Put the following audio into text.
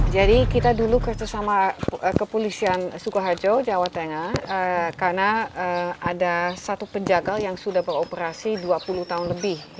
jadi kita dulu kerjasama kepolisian sukoharjo jawa tengah karena ada satu penjagal yang sudah beroperasi dua puluh tahun lebih